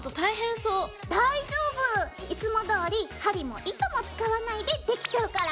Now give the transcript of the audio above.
大丈夫！いつもどおり針も糸も使わないでできちゃうから。